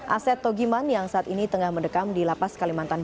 aset togiman yang saat ini tengah mendekam di lapas kalimantan